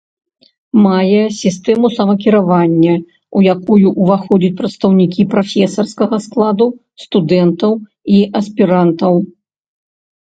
Мае сістэму самакіравання, у якую ўваходзяць прадстаўнікі прафесарскага складу, студэнтаў і аспірантаў.